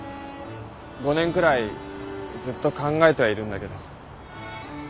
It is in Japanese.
５年くらいずっと考えてはいるんだけど。